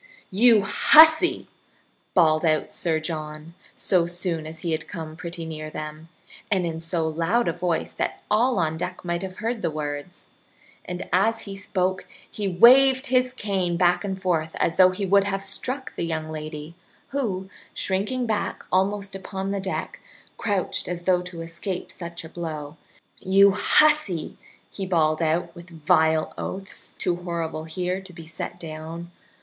"You hussy!" bawled out Sir John, so soon as he had come pretty near them, and in so loud a voice that all on deck might have heard the words; and as he spoke he waved his cane back and forth as though he would have struck the young lady, who, shrinking back almost upon the deck, crouched as though to escape such a blow. "You hussy!" he bawled out with vile oaths, too horrible here to be set down.